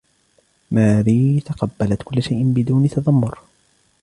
ماري تقبلت كل شيء بدون تذمر.